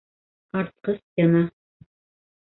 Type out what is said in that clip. Артҡы стена